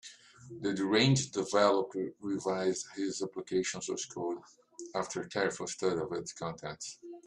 The deranged developer revised his application source code after a careful study of its contents.